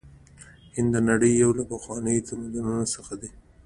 هند د نړۍ یو له پخوانیو تمدنونو څخه دی.